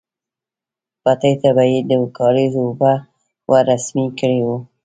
پټي ته به يې د کاريز اوبه ورسمې کړې وې.